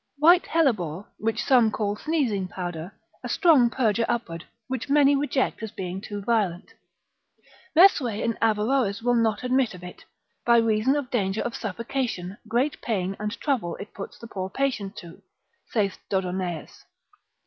White hellebore, which some call sneezing powder, a strong purger upward, which many reject, as being too violent: Mesue and Averroes will not admit of it, by reason of danger of suffocation, great pain and trouble it puts the poor patient to, saith Dodonaeus.